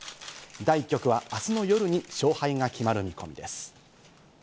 第１局は明日の夜に勝敗が決まる見込みです。